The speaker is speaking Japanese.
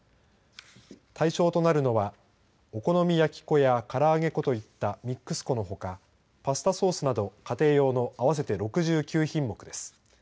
対象となるのはお好み焼き粉や、から揚げ粉といったミックス粉のほかパスタソースなど家庭用の合わせて６９品目です。